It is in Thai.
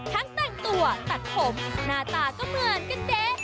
แต่งตัวตัดผมหน้าตาก็เหมือนกันเด๊ะ